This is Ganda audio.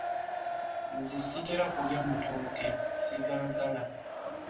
Nze ssitera kulya matooke, ssigaagala.